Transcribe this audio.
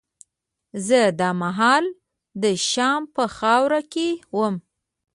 زه دا مهال د شام په خاوره کې وم.